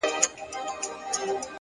زما شاعري وخوړه زې وخوړم’